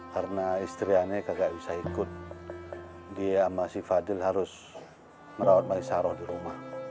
karena istri anda tidak bisa ikut dia masih fadil harus merawat merawat di rumah